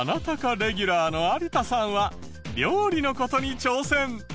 レギュラーの有田さんは料理の事に挑戦。